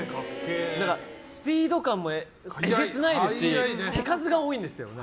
スピード感もえげつないですし手数が多いんですよ。